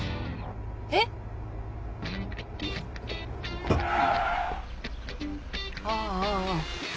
えっ⁉ああ。